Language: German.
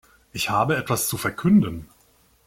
Ich habe etwas zu verkünden.